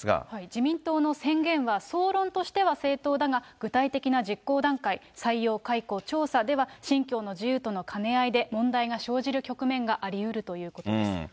自民党の宣言は総論としては正当だが、具体的な実行段階、採用、解雇、調査では、信教の自由との兼ね合いで問題が生じる局面がありうるということです。